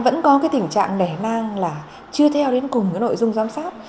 vẫn có cái tình trạng nể nang là chưa theo đến cùng cái nội dung giám sát